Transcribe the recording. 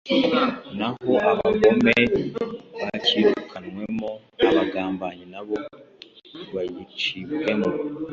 naho abagome bacyirukanwemo, abagambanyi na bo bagicibwemo